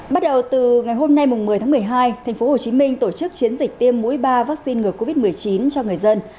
bắt đầu từ ngày hôm nay một mươi tháng một mươi hai tp hcm tổ chức chiến dịch tiêm mũi ba vaccine ngừa covid một mươi chín cho người dân